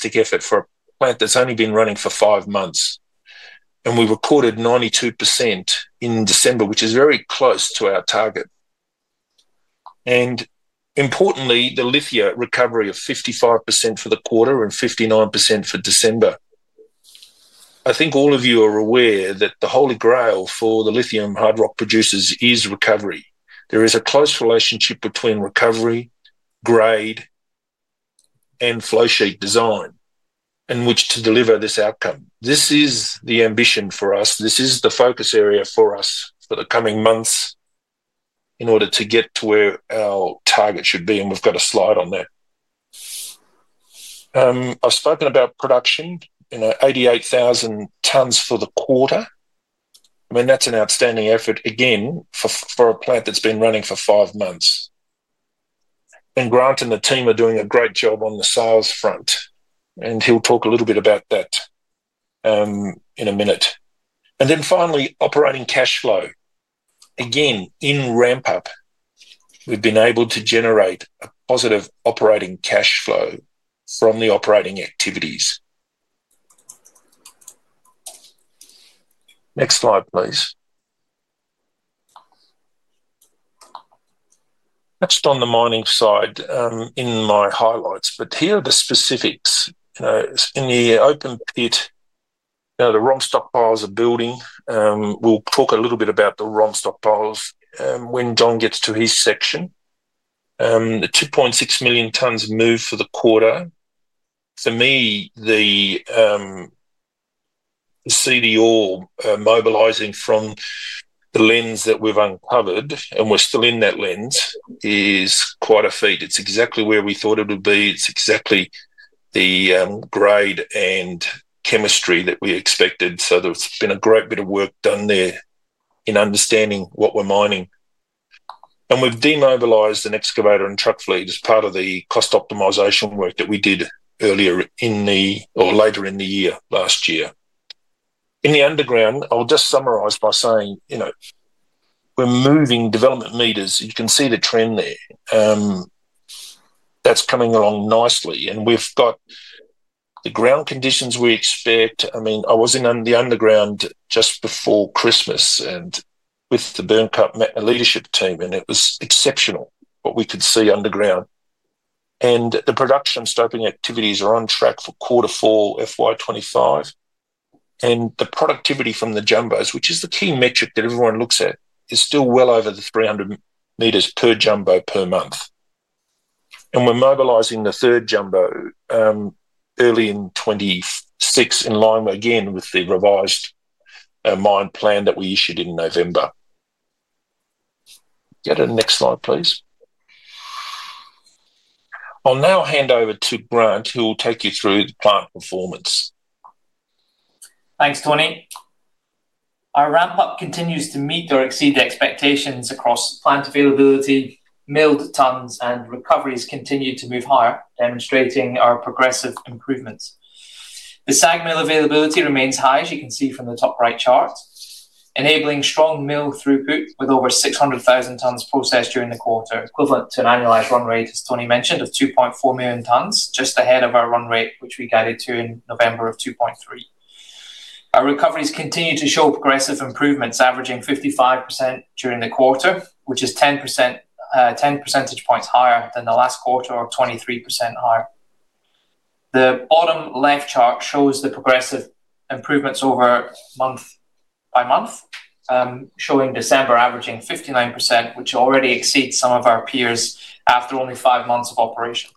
To get fit for a plant that's only been running for five months. We recorded 92% in December, which is very close to our target. Importantly, the lithia recovery of 55% for the quarter and 59% for December. I think all of you are aware that the holy grail for the lithium hard rock producers is recovery. There is a close relationship between recovery, grade, and flowsheet design in which to deliver this outcome. This is the ambition for us. This is the focus area for us for the coming months in order to get to where our target should be, and we've got a slide on that. I've spoken about production: 88,000 tons for the quarter. I mean, that's an outstanding effort, again, for a plant that's been running for five months. Grant and the team are doing a great job on the sales front, and he'll talk a little bit about that in a minute. And then finally, operating cash flow. Again, in ramp-up, we've been able to generate a positive operating cash flow from the operating activities. Next slide, please. Touched on the mining side in my highlights, but here are the specifics. In the open pit, the ROM stockpiles are building. We'll talk a little bit about the ROM stockpiles when Jon gets to his section. The 2.6 million tons moved for the quarter. For me, the ore mobilising from the lens that we've uncovered, and we're still in that lens, is quite a feat. It's exactly where we thought it would be. It's exactly the grade and chemistry that we expected. So there's been a great bit of work done there in understanding what we're mining. We've demobilized an excavator and truck fleet as part of the cost optimization work that we did earlier in the or later in the year last year. In the underground, I'll just summarize by saying we're moving development meters. You can see the trend there. That's coming along nicely. And we've got the ground conditions we expect. I mean, I was in the underground just before Christmas with the Byrnecut leadership team, and it was exceptional what we could see underground. And the production stoping activities are on track for quarter four FY 2025. And the productivity from the jumbos, which is the key metric that everyone looks at, is still well over the 300 meters per jumbo per month. And we're mobilizing the third jumbo early in 2026 in line again with the revised mine plan that we issued in November. Next slide, please. I'll now hand over to Grant, who will take you through the plant performance. Thanks, Tony. Our ramp-up continues to meet or exceed expectations across plant availability. Milled tons and recoveries continue to move higher, demonstrating our progressive improvements. The SAG mill availability remains high, as you can see from the top right chart, enabling strong mill throughput with over 600,000 tons processed during the quarter, equivalent to an annualized run rate, as Tony mentioned, of 2.4 million tons, just ahead of our run rate, which we guided to in November of 2.3. Our recoveries continue to show progressive improvements, averaging 55% during the quarter, which is 10 percentage points higher than the last quarter, or 23% higher. The bottom left chart shows the progressive improvements over month by month, showing December averaging 59%, which already exceeds some of our peers after only five months of operation.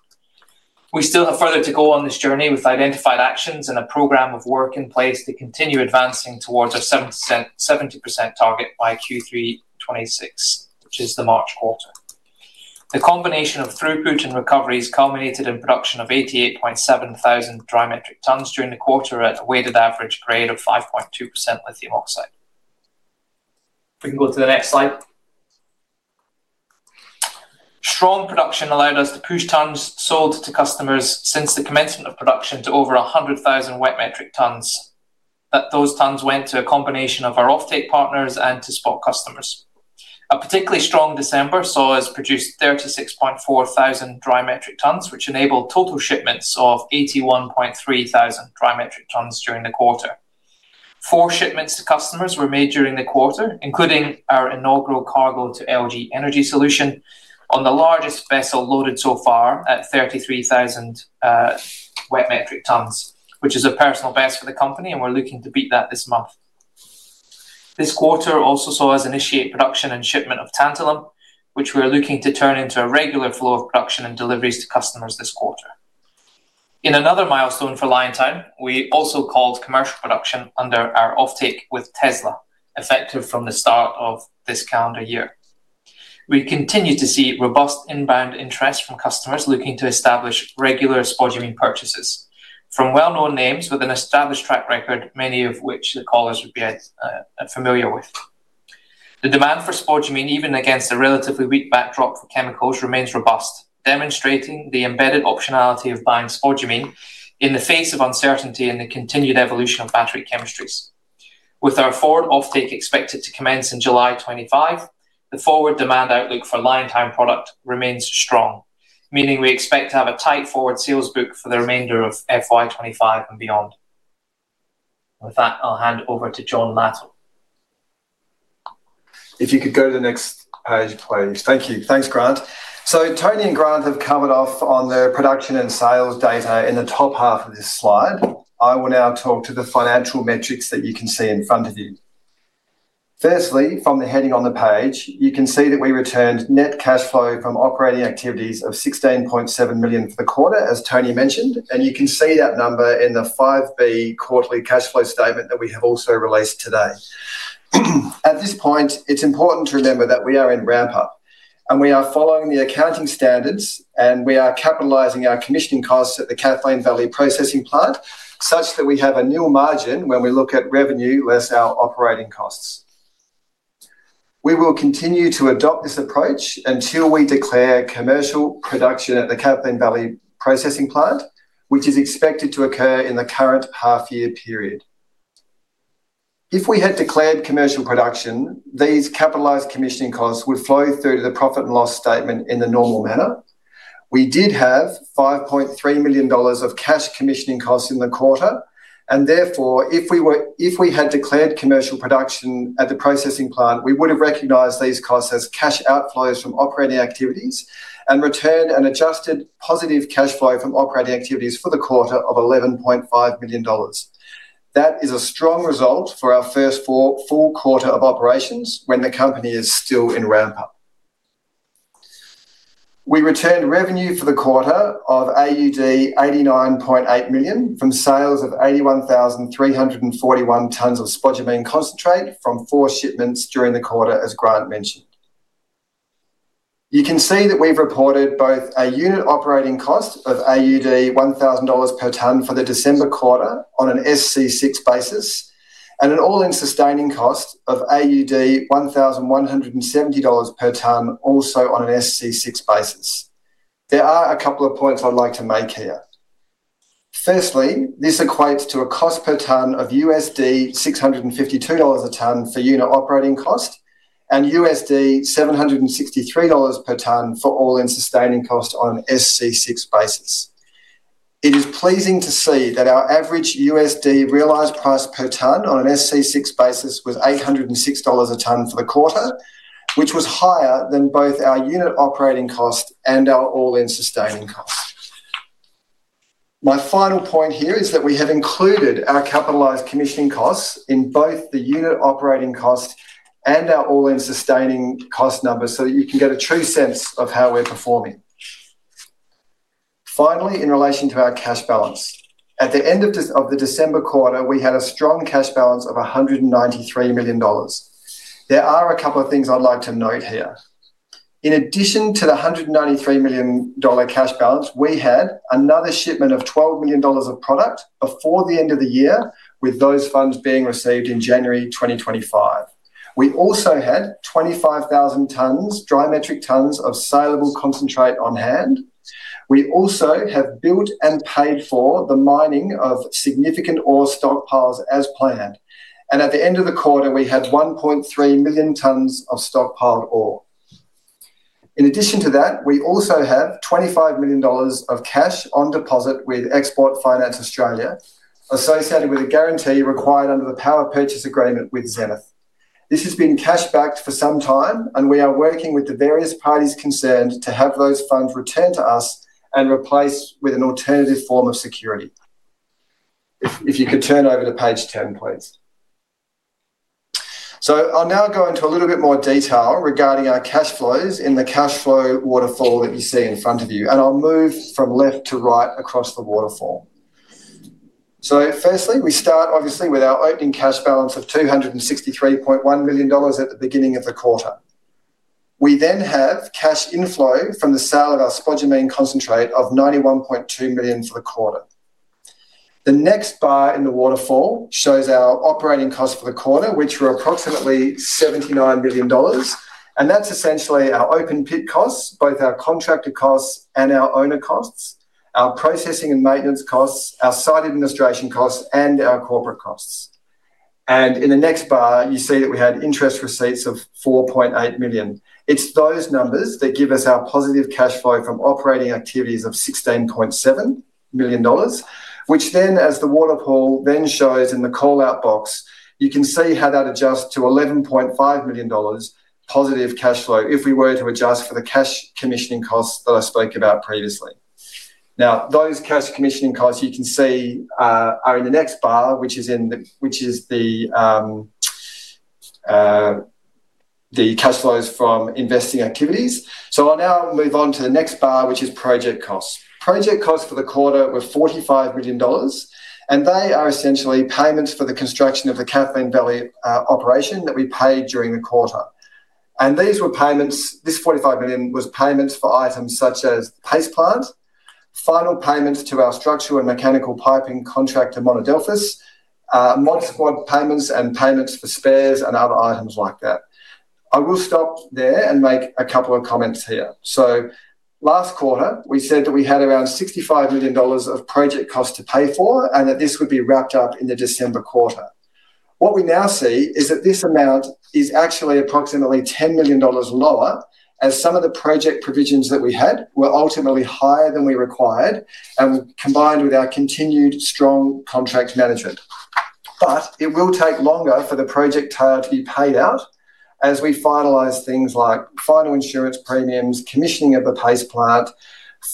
We still have further to go on this journey with identified actions and a program of work in place to continue advancing towards our 70% target by Q3 2026, which is the March quarter. The combination of throughput and recoveries culminated in production of 88,700 dry metric tonnes during the quarter at a weighted average grade of 5.2% lithium oxide. If we can go to the next slide. Strong production allowed us to push tons sold to customers since the commencement of production to over 100,000 wet metric tonnes. Those tonnes went to a combination of our offtake partners and to spot customers. A particularly strong December saw us produce 36,400 dry metric tonnes, which enabled total shipments of 81,300 dry metric tonnes during the quarter. Four shipments to customers were made during the quarter, including our inaugural cargo to LG Energy Solution on the largest vessel loaded so far at 33,000 wet metric tonnes, which is a personal best for the company, and we're looking to beat that this month. This quarter also saw us initiate production and shipment of tantalum, which we're looking to turn into a regular flow of production and deliveries to customers this quarter. In another milestone for Liontown, we also called commercial production under our offtake with Tesla, effective from the start of this calendar year. We continue to see robust inbound interest from customers looking to establish regular spodumene purchases from well-known names with an established track record, many of which the callers would be familiar with. The demand for spodumene, even against a relatively weak backdrop for chemicals, remains robust, demonstrating the embedded optionality of buying spodumene in the face of uncertainty and the continued evolution of battery chemistries. With our forward offtake expected to commence in July 2025, the forward demand outlook for Liontown product remains strong, meaning we expect to have a tight forward sales book for the remainder of FY 2025 and beyond. With that, I'll hand over to Jon Latto. If you could go to the next page, please. Thank you. Thanks, Grant. So Tony and Grant have covered off on the production and sales data in the top half of this slide. I will now talk to the financial metrics that you can see in front of you. Firstly, from the heading on the page, you can see that we returned net cash flow from operating activities of 16.7 million for the quarter, as Tony mentioned, and you can see that number in the 5B quarterly cash flow statement that we have also released today. At this point, it's important to remember that we are in ramp-up, and we are following the accounting standards, and we are capitalizing our commissioning costs at the Kathleen Valley Processing Plant such that we have a new margin when we look at revenue less our operating costs. We will continue to adopt this approach until we declare commercial production at the Kathleen Valley Processing Plant, which is expected to occur in the current half-year period. If we had declared commercial production, these capitalised commissioning costs would flow through to the profit and loss statement in the normal manner. We did have 5.3 million dollars of cash commissioning costs in the quarter, and therefore, if we had declared commercial production at the processing plant, we would have recognised these costs as cash outflows from operating activities and returned an adjusted positive cash flow from operating activities for the quarter of 11.5 million dollars. That is a strong result for our first full quarter of operations when the company is still in ramp-up. We returned revenue for the quarter of AUD 89.8 million from sales of 81,341 tonnes of spodumene concentrate from four shipments during the quarter, as Grant mentioned. You can see that we've reported both a unit operating cost of AUD 1,000 per tonne for the December quarter on an SC6 basis and an all-in sustaining cost of AUD 1,170 per tonne, also on an SC6 basis. There are a couple of points I'd like to make here. Firstly, this equates to a cost per tonne of $652 a tonne for unit operating cost and $763 per tonne for all-in sustaining cost on an SC6 basis. It is pleasing to see that our average USD realized price per tonne on an SC6 basis was $806 a tonne for the quarter, which was higher than both our unit operating cost and our all-in sustaining cost. My final point here is that we have included our capitalised commissioning costs in both the unit operating cost and our all-in sustaining cost numbers so that you can get a true sense of how we're performing. Finally, in relation to our cash balance, at the end of the December quarter, we had a strong cash balance of 193 million dollars. There are a couple of things I'd like to note here. In addition to the 193 million dollar cash balance, we had another shipment of 12 million dollars of product before the end of the year, with those funds being received in January 2025. We also had 25,000 tonnes, dry metric tonnes, of saleable concentrate on hand. We also have built and paid for the mining of significant ore stockpiles as planned, and at the end of the quarter, we had 1.3 million tonnes of stockpiled ore. In addition to that, we also have 25 million dollars of cash on deposit with Export Finance Australia, associated with a guarantee required under the power purchase agreement with Zenith. This has been cash-backed for some time, and we are working with the various parties concerned to have those funds returned to us and replaced with an alternative form of security. If you could turn over to page 10, please. So I'll now go into a little bit more detail regarding our cash flows in the cash flow waterfall that you see in front of you, and I'll move from left to right across the waterfall. So firstly, we start obviously with our opening cash balance of 263.1 million dollars at the beginning of the quarter. We then have cash inflow from the sale of our spodumene concentrate of 91.2 million for the quarter. The next bar in the waterfall shows our operating costs for the quarter, which were approximately 79 million dollars, and that's essentially our open pit costs, both our contractor costs and our owner costs, our processing and maintenance costs, our site administration costs, and our corporate costs, and in the next bar, you see that we had interest receipts of 4.8 million. It's those numbers that give us our positive cash flow from operating activities of 16.7 million dollars, which then, as the waterfall then shows in the call-out box, you can see how that adjusts to 11.5 million dollars positive cash flow if we were to adjust for the cash commissioning costs that I spoke about previously. Now, those cash commissioning costs you can see are in the next bar, which is the cash flows from investing activities, so I'll now move on to the next bar, which is project costs. Project costs for the quarter were 45 million dollars, and they are essentially payments for the construction of the Kathleen Valley operation that we paid during the quarter. And these were payments. This 45 million was payments for items such as paste plants, final payments to our structural and mechanical piping contractor, Monadelphous, Mod Squad payments, and payments for spares and other items like that. I will stop there and make a couple of comments here. So last quarter, we said that we had around 65 million dollars of project costs to pay for and that this would be wrapped up in the December quarter. What we now see is that this amount is actually approximately 10 million dollars lower, as some of the project provisions that we had were ultimately higher than we required and combined with our continued strong contract management. But it will take longer for the project tail to be paid out as we finalize things like final insurance premiums, commissioning of the paste plant,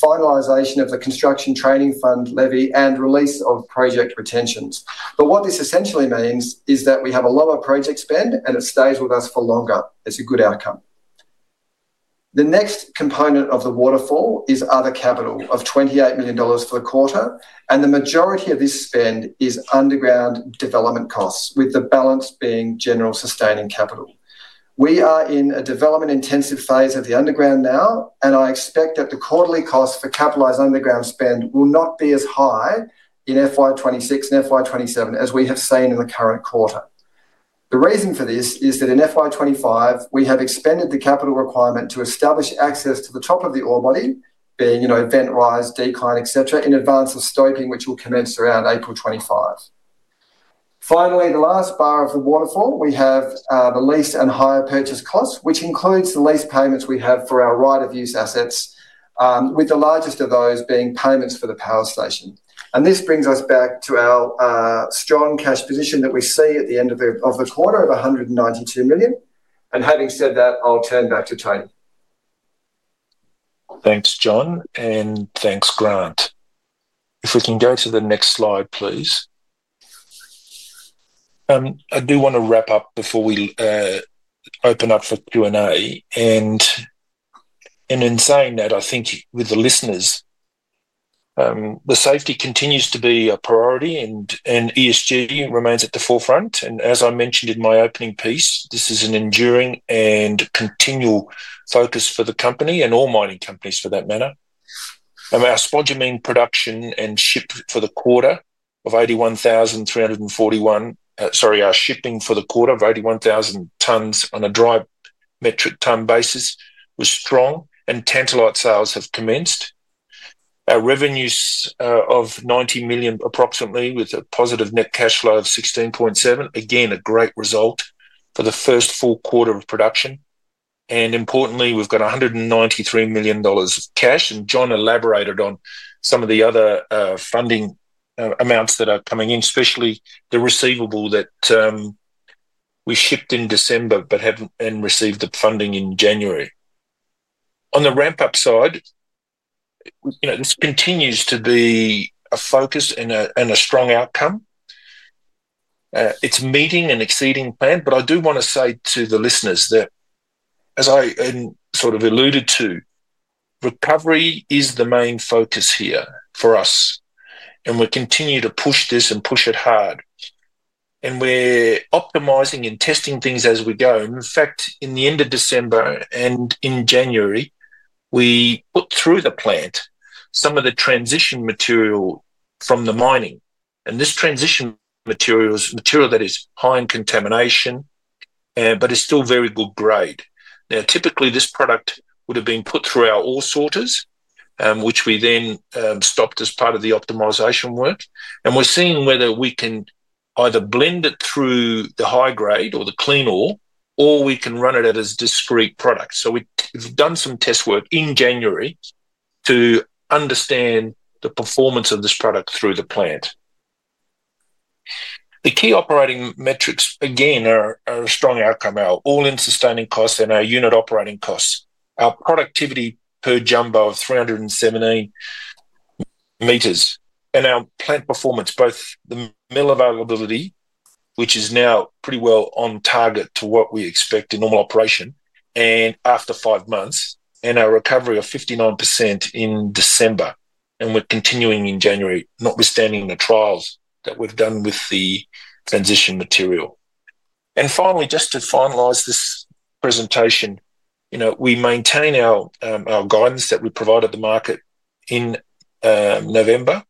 finalization of the Construction Training Fund Levy, and release of project retentions. But what this essentially means is that we have a lower project spend, and it stays with us for longer. It's a good outcome. The next component of the waterfall is other capital of 28 million dollars for the quarter, and the majority of this spend is underground development costs, with the balance being general sustaining capital. We are in a development-intensive phase of the underground now, and I expect that the quarterly costs for capitalized underground spend will not be as high in FY 2026 and FY 2027 as we have seen in the current quarter. The reason for this is that in FY 2025, we have expanded the capital requirement to establish access to the top of the ore body, being vent rise, decline, etc., in advance of stoping, which will commence around April 2025. Finally, the last bar of the waterfall, we have the lease and hire purchase costs, which includes the lease payments we have for our right-of-use assets, with the largest of those being payments for the power station. And this brings us back to our strong cash position that we see at the end of the quarter of 192 million. And having said that, I'll turn back to Tony. Thanks, Jon, and thanks, Grant. If we can go to the next slide, please. I do want to wrap up before we open up for Q&A. And in saying that, I think with the listeners, the safety continues to be a priority, and ESG remains at the forefront. And as I mentioned in my opening piece, this is an enduring and continual focus for the company and all mining companies for that matter. Our spodumene production and ship for the quarter of 81,341, sorry, our shipping for the quarter of 81,000 tonnes on a dry metric tonne basis was strong, and tantalite sales have commenced. Our revenues of 90 million, approximately, with a positive net cash flow of 16.7 million, again, a great result for the first full quarter of production. And importantly, we've got 193 million dollars of cash. Jon elaborated on some of the other funding amounts that are coming in, especially the receivable that we shipped in December but haven't received the funding in January. On the ramp-up side, this continues to be a focus and a strong outcome. It's meeting and exceeding planned. I do want to say to the listeners that, as I sort of alluded to, recovery is the main focus here for us, and we continue to push this and push it hard. We're optimising and testing things as we go. In fact, in the end of December and in January, we put through the plant some of the transition material from the mining. This transition material is material that is high in contamination but is still very good grade. Now, typically, this product would have been put through our ore sorters, which we then stopped as part of the optimization work. And we're seeing whether we can either blend it through the high grade or the clean ore, or we can run it at a discrete product. So we've done some test work in January to understand the performance of this product through the plant. The key operating metrics, again, are a strong outcome: our all-in sustaining costs and our unit operating costs, our productivity per jumbo of 317 meters, and our plant performance, both the mill availability, which is now pretty well on target to what we expect in normal operation after five months, and our recovery of 59% in December. And we're continuing in January, notwithstanding the trials that we've done with the transition material. Finally, just to finalize this presentation, we maintain our guidance that we provided the market in November,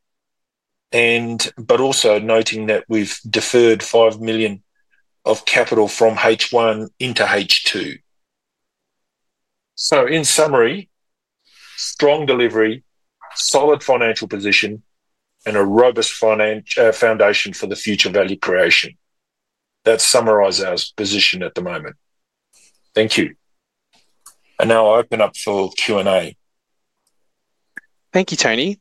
but also noting that we've deferred 5 million of capital from H1 into H2. So in summary, strong delivery, solid financial position, and a robust foundation for the future value creation. That summarizes our position at the moment. Thank you. Now I'll open up for Q&A. Thank you, Tony.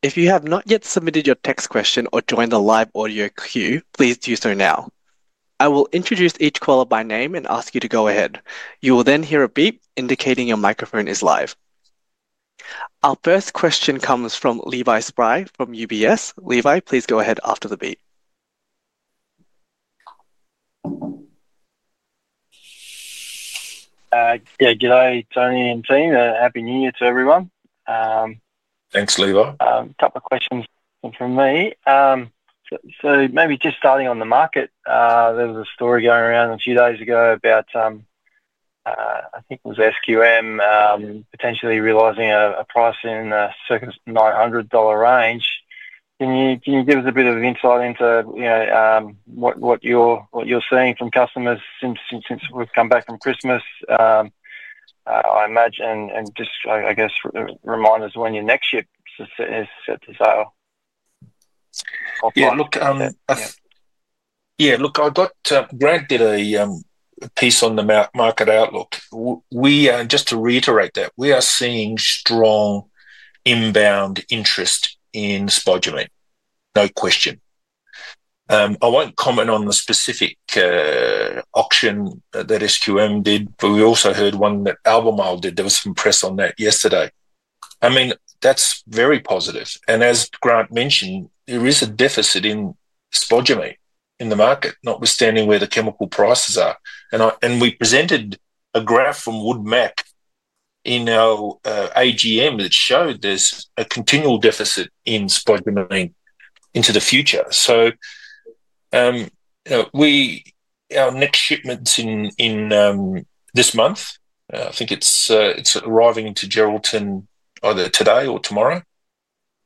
If you have not yet submitted your text question or joined the live audio queue, please do so now. I will introduce each caller by name and ask you to go ahead. You will then hear a beep indicating your microphone is live. Our first question comes from Levi Spry from UBS. Levi, please go ahead after the beep. Yeah, G'day, Tony and team. Happy New Year to everyone. Thanks, Levi. Couple of questions from me. So maybe just starting on the market, there was a story going around a few days ago about, I think it was SQM, potentially realizing a price in the $900 range. Can you give us a bit of insight into what you're seeing from customers since we've come back from Christmas, I imagine, and just, I guess, remind us when your next ship is set to sail? Yeah, look, I got Grant did a piece on the market outlook. Just to reiterate that, we are seeing strong inbound interest in spodumene, no question. I won't comment on the specific auction that SQM did, but we also heard one that Albemarle did. There was some press on that yesterday. I mean, that's very positive, and as Grant mentioned, there is a deficit in spodumene in the market, notwithstanding where the chemical prices are, and we presented a graph from Wood Mackenzie in our AGM that showed there's a continual deficit in spodumene into the future, so our next shipment's in this month. I think it's arriving into Geraldton either today or tomorrow,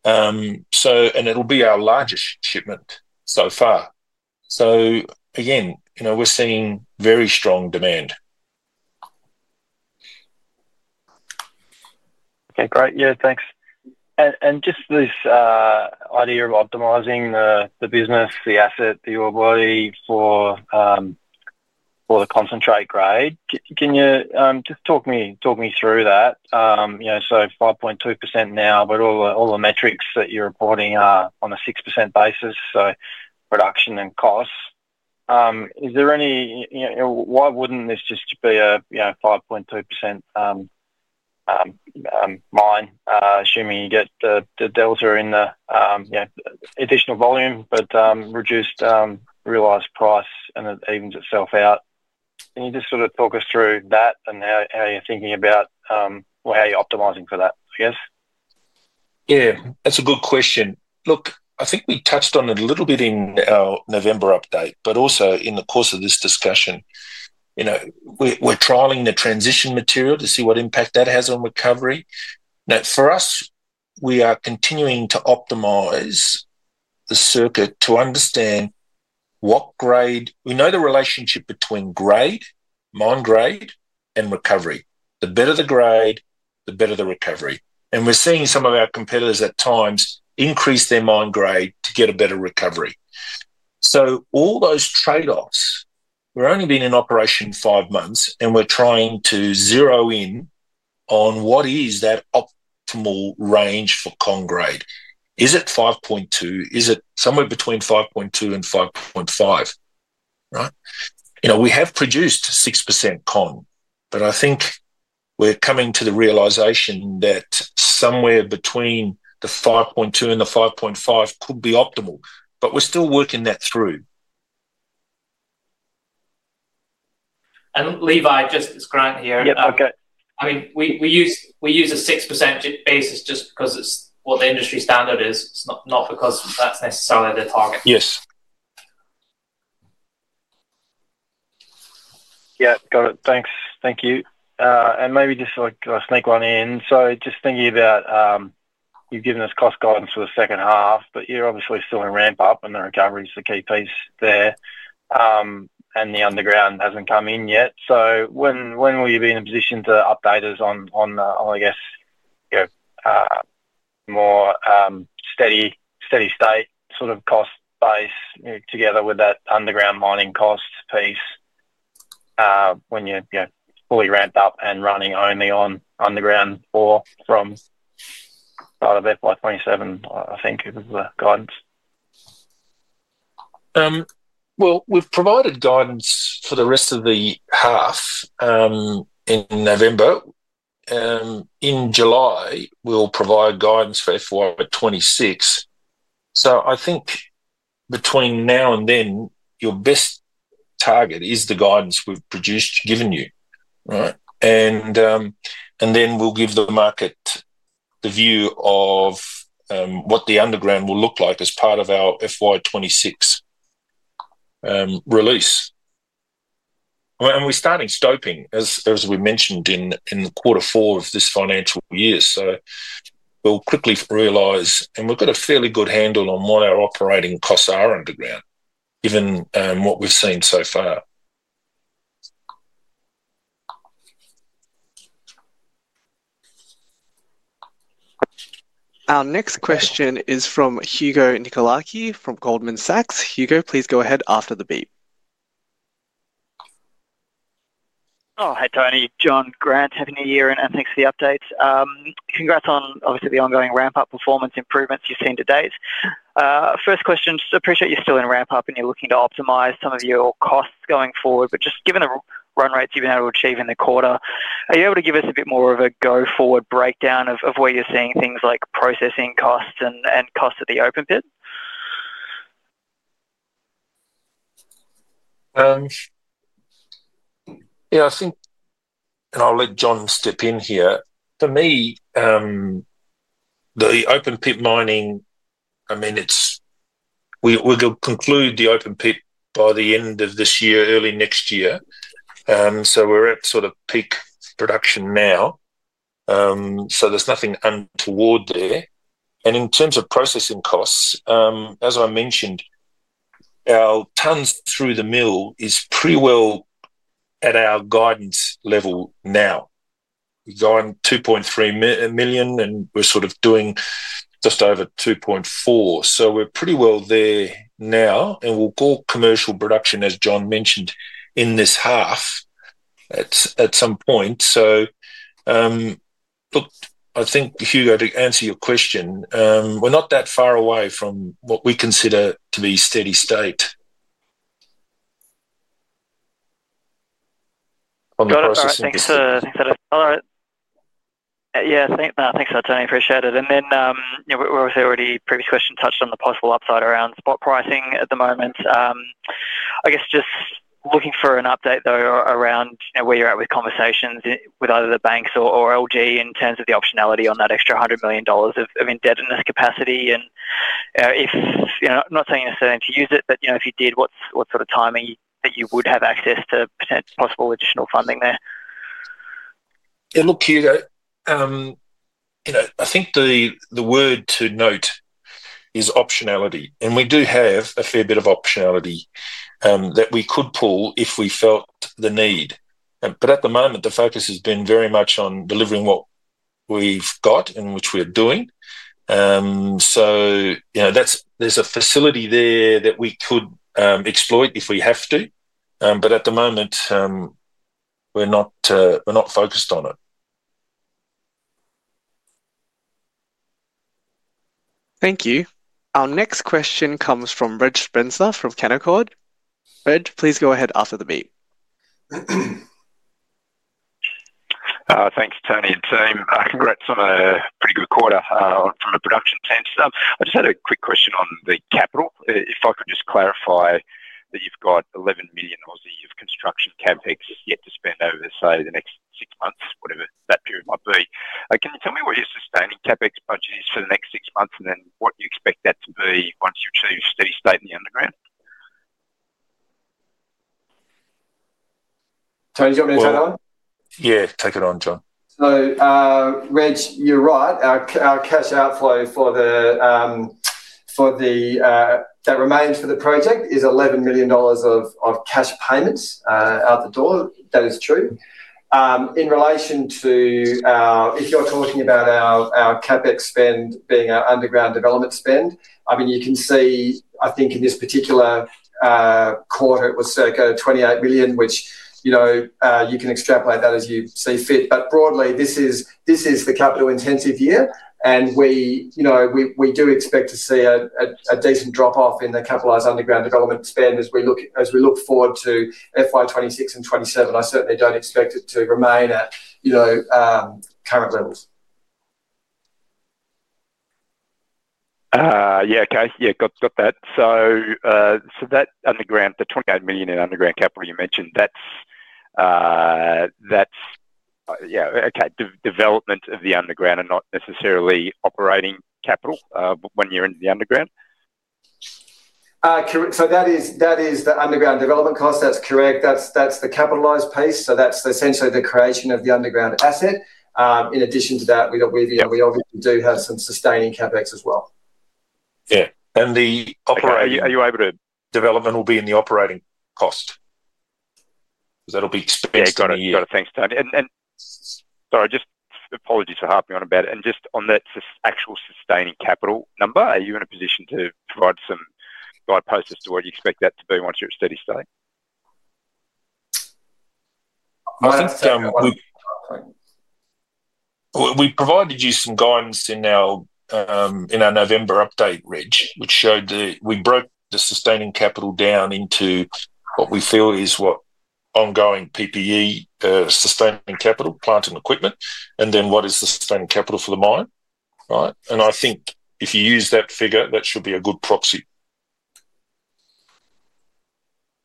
and it'll be our largest shipment so far, so again, we're seeing very strong demand. Okay, great. Yeah, thanks. And just this idea of optimizing the business, the asset, the ore body for the concentrate grade, can you just talk me through that? So 5.2% now, but all the metrics that you're reporting are on a 6% basis, so production and costs. Is there any? Why wouldn't this just be a 5.2% mine, assuming you get the delta in the additional volume, but reduced realized price and it evens itself out? Can you just sort of talk us through that and how you're thinking about how you're optimizing for that, I guess? Yeah, that's a good question. Look, I think we touched on it a little bit in our November update, but also in the course of this discussion. We're trialling the transition material to see what impact that has on recovery. Now, for us, we are continuing to optimize the circuit to understand what grade, we know the relationship between grade, mine grade, and recovery. The better the grade, the better the recovery. And we're seeing some of our competitors at times increase their mine grade to get a better recovery. So all those trade-offs, we've only been in operation five months, and we're trying to zero in on what is that optimal range for con grade. Is it 5.2? Is it somewhere between 5.2 and 5.5? Right? We have produced 6% con, but I think we're coming to the realization that somewhere between the 5.2 and the 5.5 could be optimal, but we're still working that through. Levi, just its Grant here. Yeah, okay. I mean, we use a 6% basis just because it's what the industry standard is. It's not because that's necessarily the target. Yes. Yeah, got it. Thanks. Thank you. And maybe just a sneak one in. So just thinking about you've given us cost guidance for the second half, but you're obviously still in ramp-up, and the recovery is the key piece there. And the underground hasn't come in yet. So when will you be in a position to update us on, I guess, more steady state sort of cost base together with that underground mining cost piece when you're fully ramped up and running only on underground ore from part of FY 2027, I think, is the guidance? We've provided guidance for the rest of the half in November. In July, we'll provide guidance for FY 2026. So I think between now and then, your best target is the guidance we've produced given you, right? And then we'll give the market the view of what the underground will look like as part of our FY 2026 release. And we're starting stoping, as we mentioned, in the quarter four of this financial year. So we'll quickly realize, and we've got a fairly good handle on what our operating costs are underground, given what we've seen so far. Our next question is from Hugo Nicolaci from Goldman Sachs. Hugo, please go ahead after the beep. Oh, hey, Tony. Jon, Grant, happy New Year and thanks for the update. Congrats on, obviously, the ongoing ramp-up performance improvements you've seen to date. First question, just appreciate you're still in ramp-up and you're looking to optimize some of your costs going forward, but just given the run rates you've been able to achieve in the quarter, are you able to give us a bit more of a go-forward breakdown of where you're seeing things like processing costs and costs at the open pit? Yeah, I think, and I'll let Jon step in here. For me, the open pit mining, I mean, we'll conclude the open pit by the end of this year, early next year. So we're at sort of peak production now. So there's nothing untoward there. And in terms of processing costs, as I mentioned, our tonnes through the mill is pretty well at our guidance level now. We've gone 2.3 million, and we're sort of doing just over 2.4 million. So we're pretty well there now, and we'll call commercial production, as Jon mentioned, in this half at some point. So look, I think, Hugo, to answer your question, we're not that far away from what we consider to be steady state on the processing side. Got it. Thanks for that. All right. Yeah, thanks a lot, Tony. Appreciate it. And then we're obviously already, previous question touched on the possible upside around spot pricing at the moment. I guess just looking for an update, though, around where you're at with conversations with either the banks or LG in terms of the optionality on that extra 100 million dollars of indebtedness capacity. And if, I'm not saying necessarily to use it, but if you did, what sort of timing that you would have access to possible additional funding there? Yeah, look, Hugo, I think the word to note is optionality. And we do have a fair bit of optionality that we could pull if we felt the need. But at the moment, the focus has been very much on delivering what we've got and which we're doing. So there's a facility there that we could exploit if we have to. But at the moment, we're not focused on it. Thank you. Our next question comes from Reg Spencer from Canaccord. Reg, please go ahead after the beep. Thanks, Tony and team. Congrats on a pretty good quarter from a production standstill. I just had a quick question on the capital. If I could just clarify that you've got 11 million of construction CapEx yet to spend over, say, the next six months, whatever that period might be. Can you tell me what your sustaining CapEx budget is for the next six months and then what you expect that to be once you achieve steady state in the underground? Tony, do you want me to take that one? Yeah, take it on, Jon. So Reg, you're right. Our cash outflow for the that remains for the project is 11 million dollars of cash payments out the door. That is true. In relation to if you're talking about our CapEx spend being our underground development spend, I mean, you can see, I think, in this particular quarter, it was circa 28 million, which you can extrapolate that as you see fit. But broadly, this is the capital-intensive year, and we do expect to see a decent drop-off in the capitalized underground development spend as we look forward to FY 2026 and 2027. I certainly don't expect it to remain at current levels. Yeah, okay. Yeah, got that. So that underground, the 28 million in underground capital you mentioned, that's development of the underground and not necessarily operating capital when you're into the underground? Correct. So that is the underground development cost. That's correct. That's the capitalized piece. So that's essentially the creation of the underground asset. In addition to that, we obviously do have some sustaining CapEx as well. Yeah. And the operating development will be in the operating cost because that'll be spent on a year? Yeah, got it. Thanks, Tony. And sorry, just apologies for harping on about it. And just on that actual sustaining capital number, are you in a position to provide some guideposts as to what you expect that to be once you're at steady state? I think we've provided you some guidance in our November update, Reg, which showed that we broke the sustaining capital down into what we feel is ongoing PPE, sustaining capital, plant equipment, and then what is the sustaining capital for the mine, right? And I think if you use that figure, that should be a good proxy.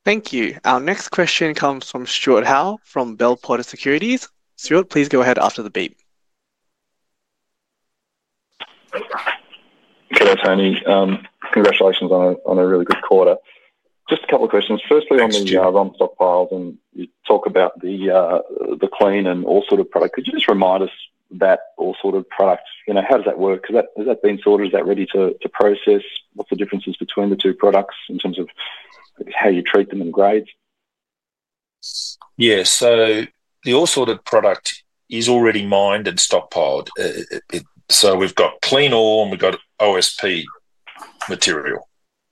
Thank you. Our next question comes from Stuart Howe from Bell Potter Securities. Stuart, please go ahead after the beep. Okay, Tony. Congratulations on a really good quarter. Just a couple of questions. First, on the ramp-up phase and you talk about the clean and ore-sorted product, could you just remind us about that ore-sorted product, how does that work? Has that been sorted? Is that ready to process? What are the differences between the two products in terms of how you treat them and grades? Yeah. So the ore-sorted product is already mined and stockpiled. So we've got clean ore and we've got OSP material,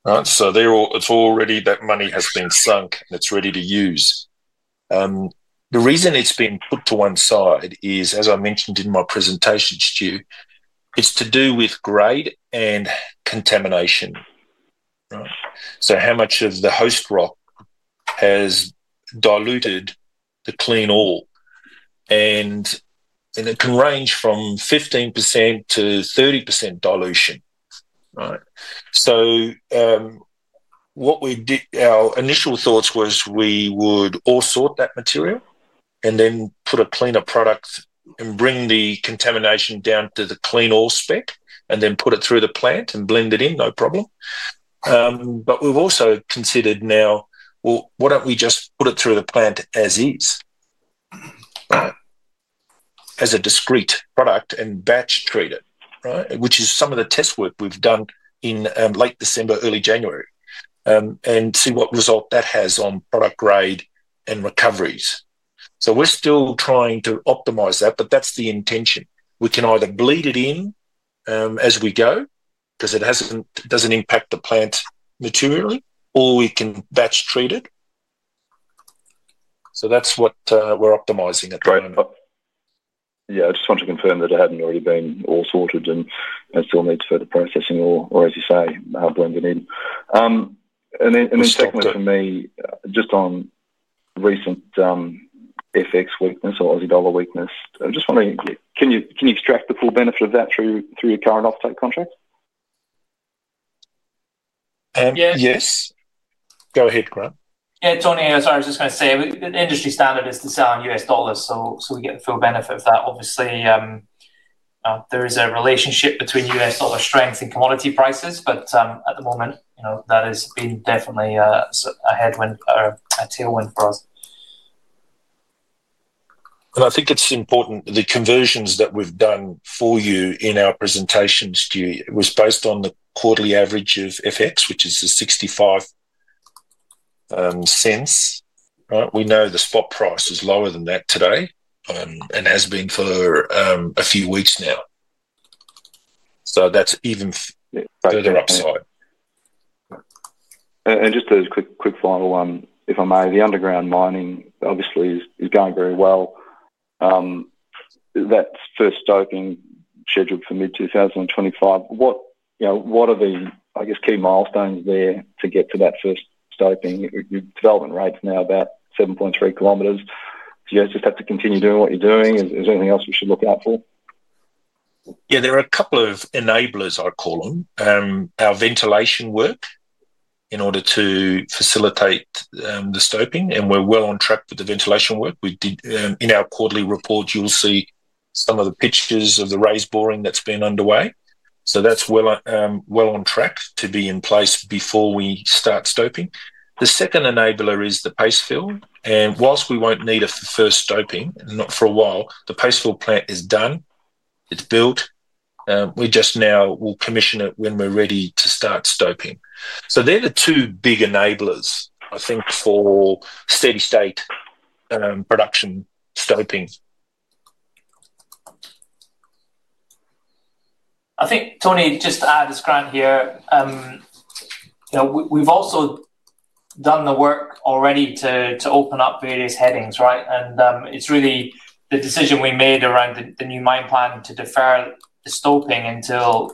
right? So it's already—that money has been sunk and it's ready to use. The reason it's been put to one side is, as I mentioned in my presentation, Stu, it's to do with grade and contamination, right? So how much of the host rock has diluted the clean ore? And it can range from 15%-30% dilution, right? So what our initial thoughts was we would ore-sort that material and then put a cleaner product and bring the contamination down to the clean ore spec and then put it through the plant and blend it in, no problem. But we've also considered now, well, why don't we just put it through the plant as is, right, as a discrete product and batch treat it, right? Which is some of the test work we've done in late December, early January, and see what result that has on product grade and recoveries. So we're still trying to optimize that, but that's the intention. We can either bleed it in as we go because it doesn't impact the plant materially, or we can batch treat it. So that's what we're optimizing at the moment. Yeah, I just want to confirm that it hadn't already been all sorted and still needs further processing or, as you say, blended in. And then secondly, for me, just on recent FX weakness or Aussie dollar weakness, I just want to, can you extract the full benefit of that through your current off-take contract? Yes. Go ahead, Grant. Yeah, Tony, sorry, I was just going to say the industry standard is to sell in U.S. dollars, so we get the full benefit of that. Obviously, there is a relationship between U.S. dollar strength and commodity prices, but at the moment, that has been definitely a headwind or a tailwind for us. I think it's important the conversions that we've done for you in our presentations, Stu, was based on the quarterly average of FX, which is the $0.65, right? We know the spot price is lower than that today and has been for a few weeks now. That's even further upside. And just a quick final one, if I may. The underground mining, obviously, is going very well. That first stoping scheduled for mid-2025, what are the, I guess, key milestones there to get to that first stoping? Your development rate's now about 7.3 kilometers. Do you guys just have to continue doing what you're doing? Is there anything else we should look out for? Yeah, there are a couple of enablers, I call them. Our ventilation work in order to facilitate the stoping, and we're well on track with the ventilation work. In our quarterly report, you'll see some of the pictures of the raise boring that's been underway. So that's well on track to be in place before we start stoping. The second enabler is the paste fill. And while we won't need a first stoping, not for a while, the paste fill plant is done. It's built. We just now will commission it when we're ready to start stoping. So they're the two big enablers, I think, for steady state production stoping. I think, Tony, just to add, its Grant here, we've also done the work already to open up various headings, right? And it's really the decision we made around the new mine plan to defer the stoping until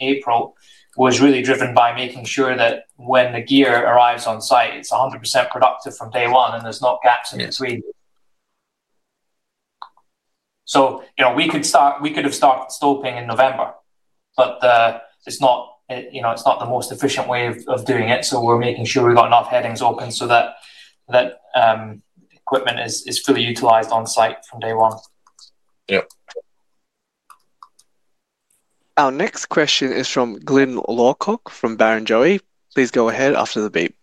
April was really driven by making sure that when the gear arrives on site, it's 100% productive from day one and there's not gaps in between. So we could have stopped stoping in November, but it's not the most efficient way of doing it. So we're making sure we've got enough headings open so that equipment is fully utilized on site from day one. Yeah. Our next question is from Glyn Lawcock from Barrenjoey. Please go ahead after the beep.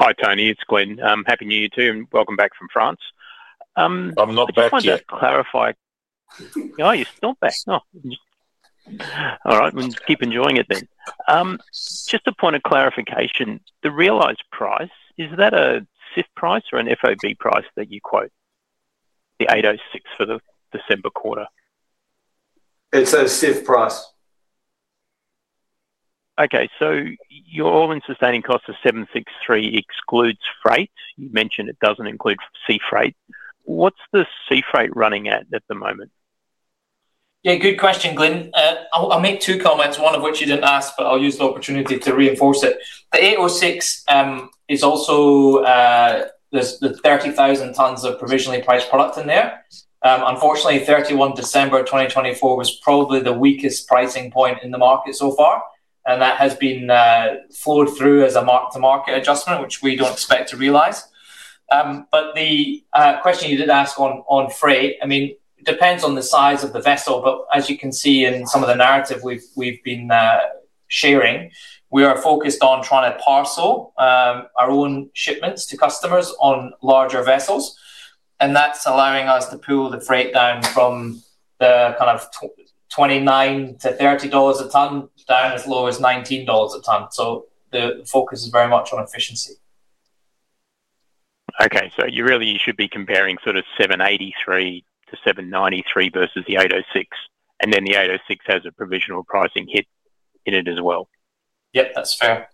Hi, Tony. It's Glyn. Happy New Year to you and welcome back from France. I'm not back yet. Just a quick one to clarify. Oh, you're still back. All right. Well, keep enjoying it then. Just a point of clarification, the realized price, is that a CIF price or an FOB price that you quote, the 806 for the December quarter? It's a CIF price. Okay. So your all-in sustaining cost of 763 excludes freight. You mentioned it doesn't include sea freight. What's the sea freight running at the moment? Yeah, good question, Glyn. I'll make two comments, one of which you didn't ask, but I'll use the opportunity to reinforce it. The 806 is also the 30,000 tonnes of provisionally priced product in there. Unfortunately, 31 December 2024 was probably the weakest pricing point in the market so far. And that has been flowed through as a mark-to-market adjustment, which we don't expect to realise. But the question you did ask on freight, I mean, it depends on the size of the vessel, but as you can see in some of the narrative we've been sharing, we are focused on trying to parcel our own shipments to customers on larger vessels. And that's allowing us to pull the freight down from the kind of 29- 30 dollars a tonne down as low as 19 dollars a tonne. So the focus is very much on efficiency. Okay. So you really should be comparing sort of 783 to 793 versus the 806. And then the 806 has a provisional pricing hit in it as well. Yep, that's fair.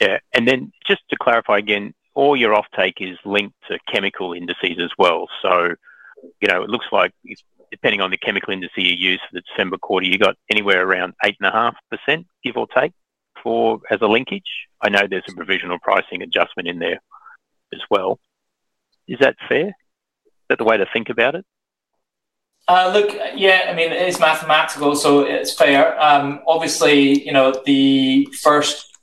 Yeah. And then just to clarify again, all your offtake is linked to chemical indices as well. So it looks like depending on the chemical indices you use for the December quarter, you got anywhere around 8.5%, give or take, as a linkage. I know there's a provisional pricing adjustment in there as well. Is that fair? Is that the way to think about it? Look, yeah, I mean, it is mathematical, so it's fair. Obviously,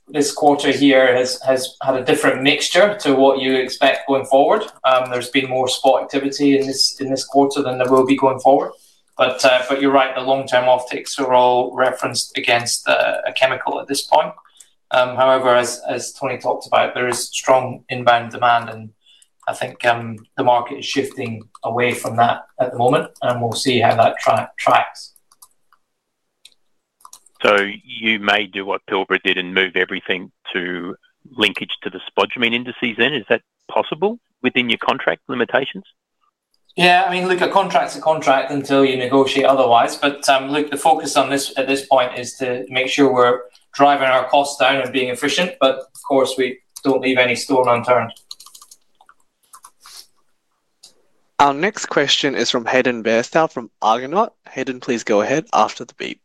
this quarter here has had a different mixture to what you expect going forward. There's been more spot activity in this quarter than there will be going forward. But you're right, the long-term off-takes are all referenced against a chemical at this point. However, as Tony talked about, there is strong inbound demand, and I think the market is shifting away from that at the moment, and we'll see how that tracks. So you may do what Pilbara did and move everything to linkage to the spodumene indices then? Is that possible within your contract limitations? Yeah. I mean, look, a contract's a contract until you negotiate otherwise. But look, the focus on this at this point is to make sure we're driving our costs down and being efficient, but of course, we don't leave any stone unturned. Our next question is from Hayden Bairstow from Argonaut. Hayden, please go ahead after the beep.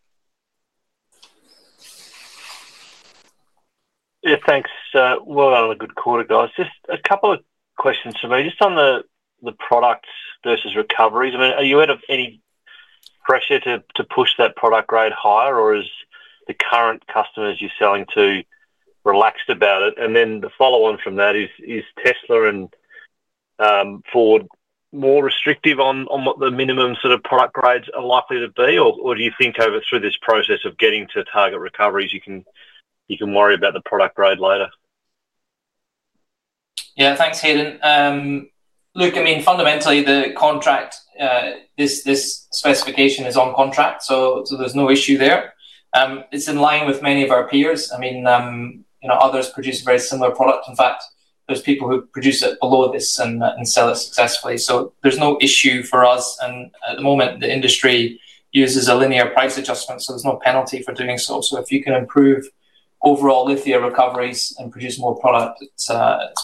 Yeah, thanks. Well, a good quarter, guys. Just a couple of questions for me. Just on the products versus recoveries, I mean, are you out of any pressure to push that product grade higher, or is the current customers you're selling to relaxed about it? And then the follow-on from that is, is Tesla and Ford more restrictive on what the minimum sort of product grades are likely to be, or do you think over through this process of getting to target recoveries, you can worry about the product grade later? Yeah, thanks, Hayden. Look, I mean, fundamentally, this specification is on contract, so there's no issue there. It's in line with many of our peers. I mean, others produce very similar products. In fact, there's people who produce it below this and sell it successfully. So there's no issue for us. And at the moment, the industry uses a linear price adjustment, so there's no penalty for doing so. So if you can improve overall lithium recoveries and produce more product, it's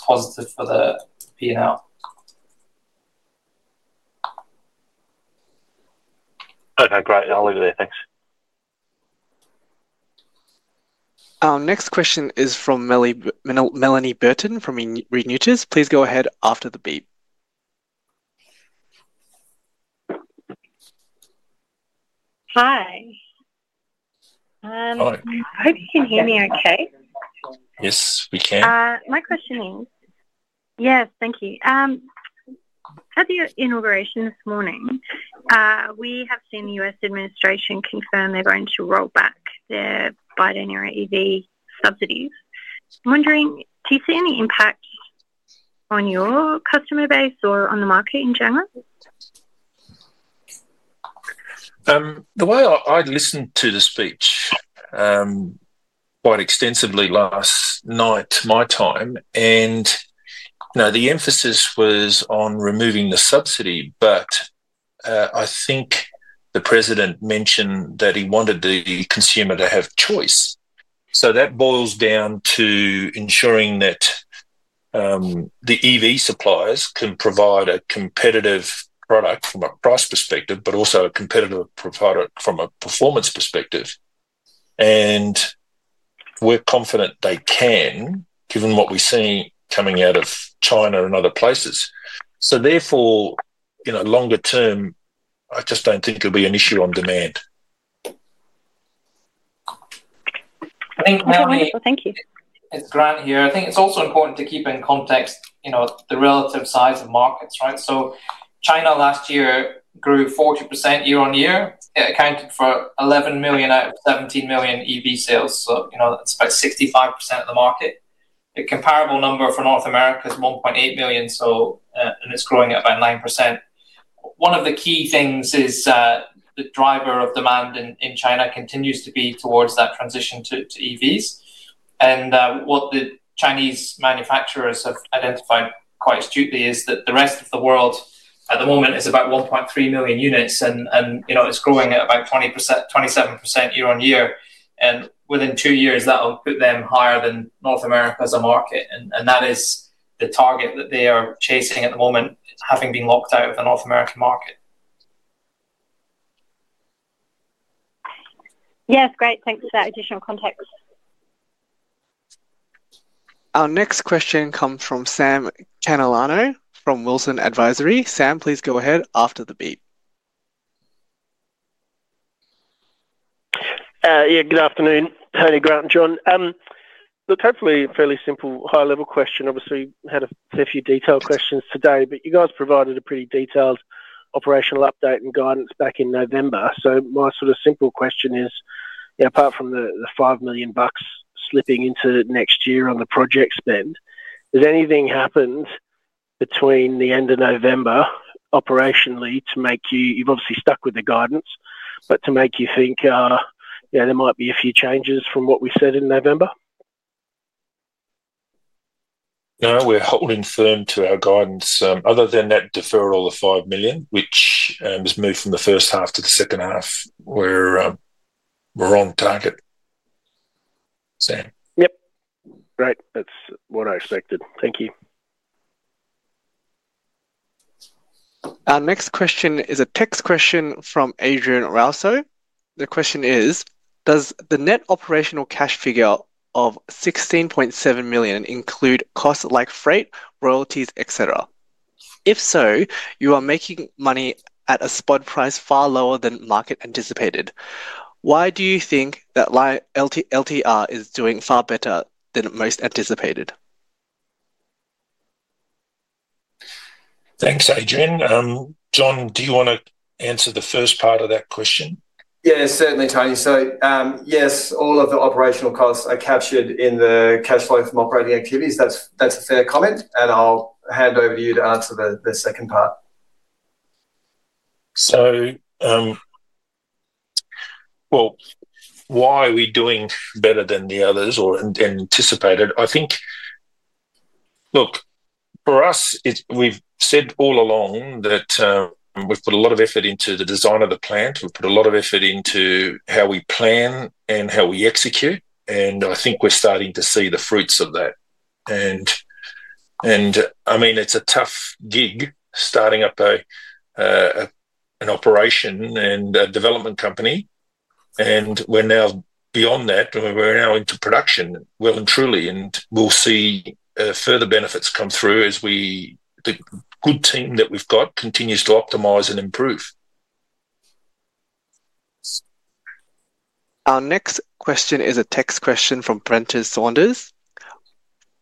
positive for the P&L. Okay, great. I'll leave it there. Thanks. Our next question is from Melanie Burton from Reuters. Please go ahead after the beep. Hi. Hi. Hope you can hear me okay. Yes, we can. My question is. Yes, thank you. At the inauguration this morning, we have seen the U.S. administration confirm they're going to roll back their Biden era EV subsidies. I'm wondering, do you see any impact on your customer base or on the market in general? The way I listened to the speech quite extensively last night, my time, and the emphasis was on removing the subsidy, but I think the president mentioned that he wanted the consumer to have choice, so that boils down to ensuring that the EV suppliers can provide a competitive product from a price perspective, but also a competitive product from a performance perspective, and we're confident they can, given what we're seeing coming out of China and other places, so therefore, longer term, I just don't think it'll be an issue on demand. Thank you. It's Grant here. I think it's also important to keep in context the relative size of markets, right? So China last year grew 40% year-on-year. It accounted for 11 million out of 17 million EV sales. So that's about 65% of the market. A comparable number for North America is 1.8 million, and it's growing at about 9%. One of the key things is the driver of demand in China continues to be towards that transition to EVs. And what the Chinese manufacturers have identified quite astutely is that the rest of the world at the moment is about 1.3 million units, and it's growing at about 27% year-on-year. And within two years, that'll put them higher than North America as a market. And that is the target that they are chasing at the moment, having been locked out of the North American market. Yes, great. Thanks for that additional context. Our next question comes from Sam Catalano from Wilsons Advisory. Sam, please go ahead after the beep. Yeah, good afternoon. Tony, Grant, Jon. Look, hopefully, a fairly simple high-level question. Obviously, we had a fair few detailed questions today, but you guys provided a pretty detailed operational update and guidance back in November. So my sort of simple question is, apart from the 5 million bucks slipping into next year on the project spend, has anything happened between the end of November operationally to make you - you've obviously stuck with the guidance - but to make you think there might be a few changes from what we said in November? No, we're holding firm to our guidance. Other than that deferral of 5 million, which was moved from the first half to the second half, we're on target. Sam? Yep. Great. That's what I expected. Thank you. Our next question is a text question from Adrian Rauso. The question is, does the net operational cash figure of 16.7 million include costs like freight, royalties, et cetera.? If so, you are making money at a spot price far lower than market anticipated. Why do you think that LTR is doing far better than most anticipated? Thanks, Adrian. Jon, do you want to answer the first part of that question? Yeah, certainly, Tony. So yes, all of the operational costs are captured in the cash flow from operating activities. That's a fair comment. And I'll hand over to you to answer the second part. So, well, why are we doing better than the others or anticipated? I think, look, for us, we've said all along that we've put a lot of effort into the design of the plant. We've put a lot of effort into how we plan and how we execute. And I think we're starting to see the fruits of that. And I mean, it's a tough gig starting up an operation and a development company. And we're now beyond that. We're now into production, well and truly. And we'll see further benefits come through as the good team that we've got continues to optimize and improve. Our next question is a text question from Brenton Saunders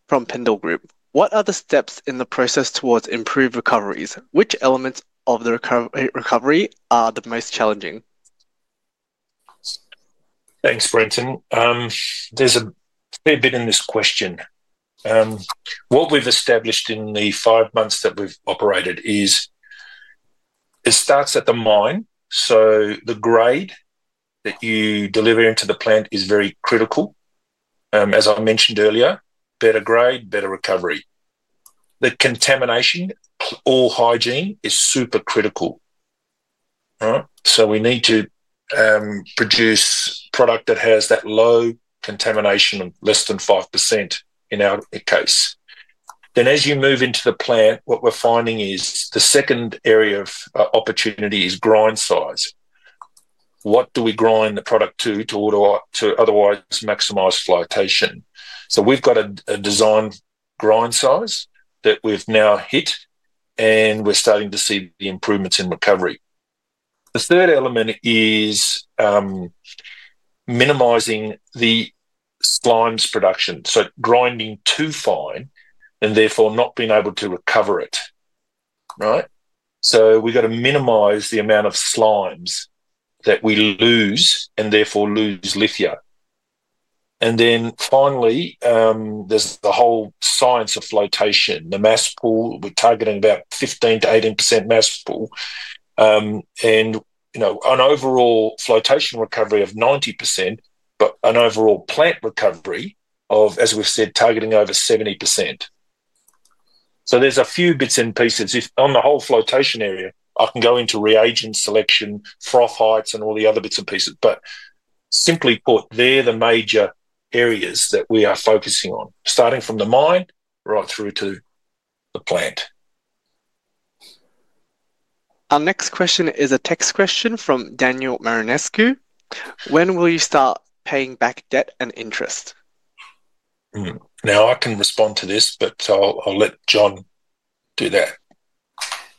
from Pendal Group. What are the steps in the process towards improved recoveries? Which elements of the recovery are the most challenging? Thanks, Brenton. There's a fair bit in this question. What we've established in the five months that we've operated is it starts at the mine. So the grade that you deliver into the plant is very critical. As I mentioned earlier, better grade, better recovery. The contamination or hygiene is super critical. So we need to produce product that has that low contamination of less than 5% in our case. Then as you move into the plant, what we're finding is the second area of opportunity is grind size. What do we grind the product to to otherwise maximize flotation? So we've got a designed grind size that we've now hit, and we're starting to see the improvements in recovery. The third element is minimising the slimes production. So grinding too fine and therefore not being able to recover it. Right? We've got to minimize the amount of slimes that we lose and therefore lose lithia. Then finally, there's the whole science of flotation. The mass pull, we're targeting about 15%-18% mass pull. And an overall flotation recovery of 90%, but an overall plant recovery of, as we've said, targeting over 70%. There's a few bits and pieces. On the whole flotation area, I can go into reagent selection, froth heights, and all the other bits and pieces. But simply put, they're the major areas that we are focusing on, starting from the mine right through to the plant. Our next question is a text question from Daniel Marinescu. When will you start paying back debt and interest? Now, I can respond to this, but I'll let Jon do that.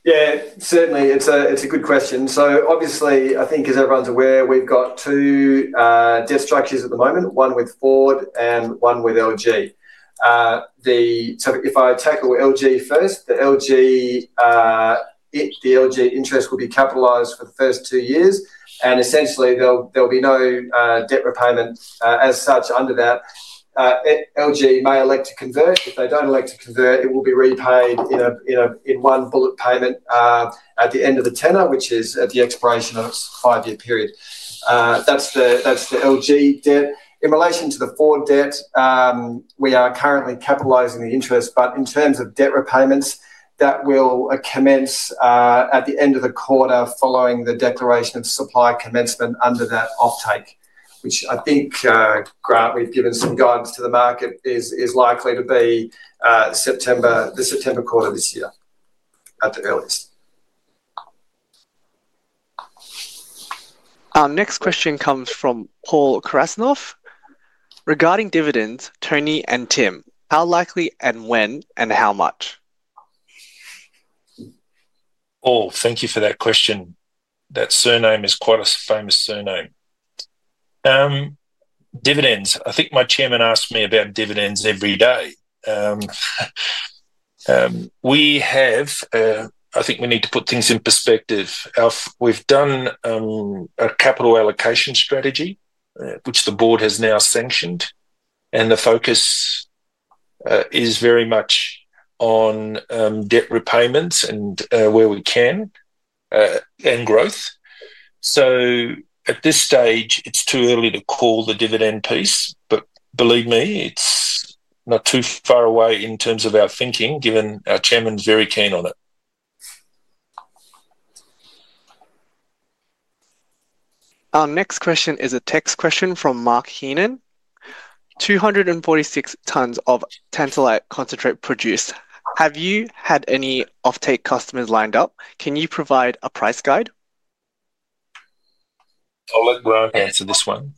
Yeah, certainly. It's a good question. So obviously, I think, as everyone's aware, we've got two debt structures at the moment, one with Ford and one with LG. So if I tackle LG first, the LG interest will be capitalized for the first two years. And essentially, there'll be no debt repayment as such under that. LG may elect to convert. If they don't elect to convert, it will be repaid in one bullet payment at the end of the tenor, which is at the expiration of its five-year period. That's the LG debt. In relation to the Ford debt, we are currently capitalizing the interest. But in terms of debt repayments, that will commence at the end of the quarter following the declaration of supply commencement under that offtake, which I think, Grant, we've given some guidance to the market is likely to be the September quarter this year at the earliest. Our next question comes from Paul Krasnoff. Regarding dividends, Tony and Tim, how likely and when and how much? Oh, thank you for that question. That surname is quite a famous surname. Dividends. I think my chairman asked me about dividends every day. I think we need to put things in perspective. We've done a capital allocation strategy, which the board has now sanctioned. And the focus is very much on debt repayments and where we can and growth. So at this stage, it's too early to call the dividend piece. But believe me, it's not too far away in terms of our thinking, given our chairman's very keen on it. Our next question is a text question from Mark Heenan. 246 tonnes of tantalite concentrate produced. Have you had any offtake customers lined up? Can you provide a price guide? I'll let Grant answer this one.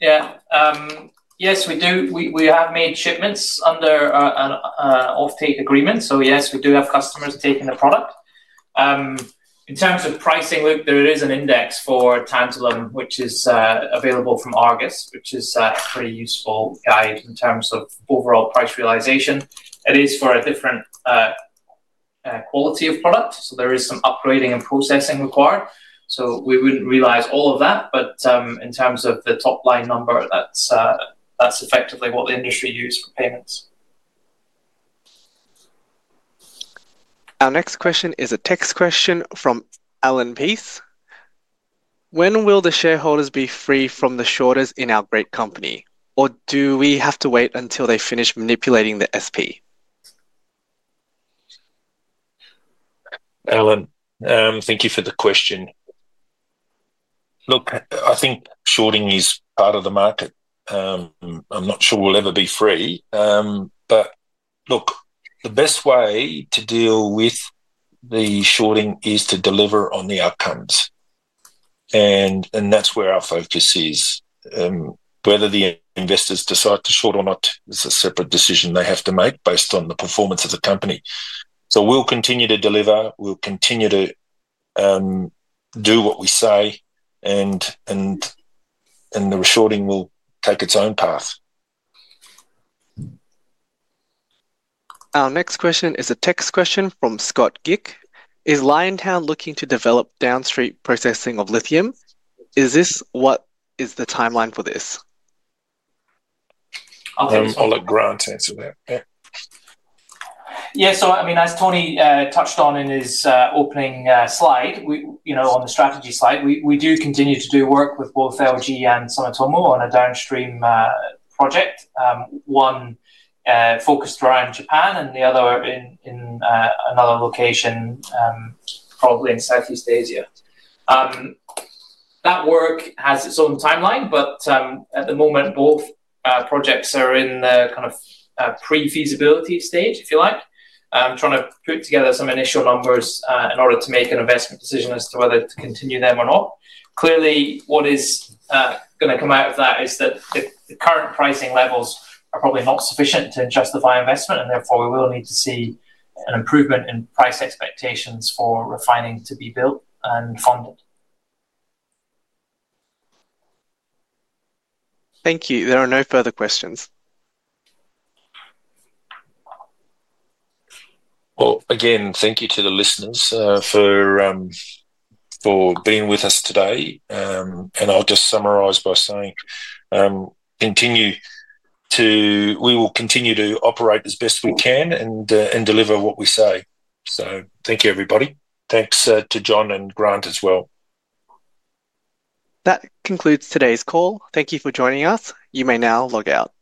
Yeah. Yes, we do. We have made shipments under an offtake agreement. So yes, we do have customers taking the product. In terms of pricing, there is an index for tantalum, which is available from Argus, which is a pretty useful guide in terms of overall price realization. It is for a different quality of product. So there is some upgrading and processing required. So we wouldn't realize all of that. But in terms of the top line number, that's effectively what the industry uses for payments. Our next question is a text question from Alan Peace. When will the shareholders be free from the shorters in our great company? Or do we have to wait until they finish manipulating the SP? Alan, thank you for the question. Look, I think shorting is part of the market. I'm not sure we'll ever be free. But look, the best way to deal with the shorting is to deliver on the outcomes. And that's where our focus is. Whether the investors decide to short or not is a separate decision they have to make based on the performance of the company. So we'll continue to deliver. We'll continue to do what we say. And the shorting will take its own path. Our next question is a text question from Scott Gick. Is Liontown looking to develop downstream processing of lithium? Is this what is the timeline for this? I'll let Grant answer that. Yeah. So I mean, as Tony touched on in his opening slide on the strategy slide, we do continue to do work with both LG and Sumitomo on a downstream project, one focused around Japan and the other in another location, probably in Southeast Asia. That work has its own timeline. But at the moment, both projects are in the kind of pre-feasibility stage, if you like. I'm trying to put together some initial numbers in order to make an investment decision as to whether to continue them or not. Clearly, what is going to come out of that is that the current pricing levels are probably not sufficient to justify investment. And therefore, we will need to see an improvement in price expectations for refining to be built and funded. Thank you. There are no further questions. Again, thank you to the listeners for being with us today. I'll just summarize by saying we will continue to operate as best we can and deliver what we say. Thank you, everybody. Thanks to Jon and Grant as well. That concludes today's call. Thank you for joining us. You may now log out.